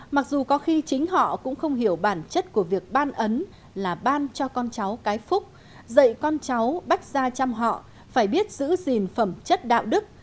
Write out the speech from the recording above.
mặc dù có khi chính họ cũng không hiểu bản chất của việc ban ấn là ban cho con cháu cái phúc dạy con cháu bách gia chăm họ phải biết giữ gìn phẩm chất đạo đức